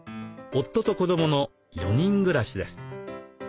夫と子どもの４人暮らしです。